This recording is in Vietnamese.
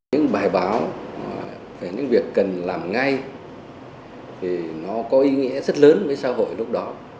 những bài báo về những việc cần làm ngay thì nó có ý nghĩa rất lớn với xã hội lúc đó